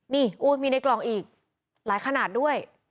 นี่มีในกล่องอีกหลายขนาดด้วย